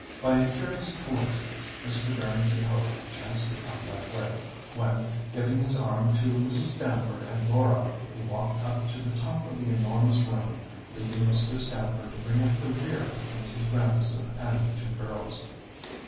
By a curious coincidence, Mr. Barrington Hope chanced to come that way, when, giving his arm to Mrs. Stamford and Laura, he walked up to the top of the enormous room, leaving Mr. Stamford to bring up the rear with Mrs. Grandison and the two girls.